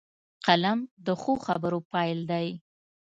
قلم د ښو خبرو پيل دی